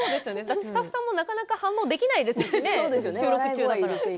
スタッフさんも、なかなか反応できないでしょうしね収録中だから。